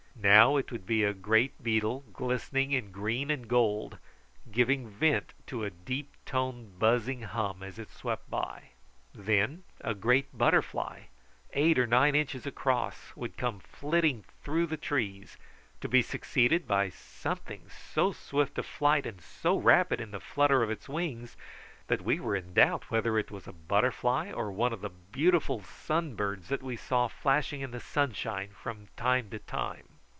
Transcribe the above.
Now it would be a great beetle glistening in green and gold, giving vent to a deep toned buzzing hum as it swept by; then a great butterfly, eight or nine inches across, would come flitting through the trees, to be succeeded by something so swift of flight and so rapid in the flutter of its wings that we were in doubt whether it was a butterfly or one of the beautiful sunbirds that we saw flashing in the sunshine from time to time.